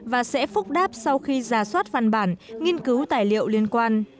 và sẽ phúc đáp sau khi ra soát văn bản nghiên cứu tài liệu liên quan